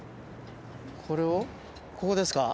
これをここですか？